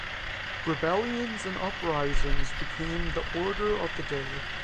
Rebellions and uprisings became the order of the day.